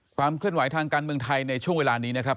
ความเคลื่อนไหวทางการเมืองไทยในช่วงเวลานี้นะครับ